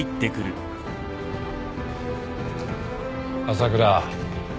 朝倉。